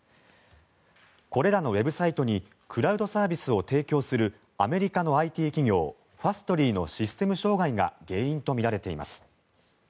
これらのウェブサイトにクラウドサービスを提供するアメリカのＩＴ企業ファストリーのシステム障害が原因とみられています。